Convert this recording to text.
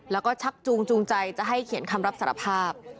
แล้วก็ชักจูงจูงใจจะให้เขียนคำรับสารภาพ